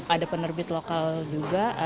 ada penerbit lokal juga